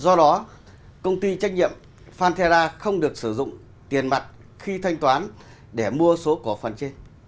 do đó công ty trách nhiệm fantera không được sử dụng tiền mặt khi thanh toán để mua số cổ phần trên